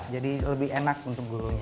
lebih enak untuk gulungnya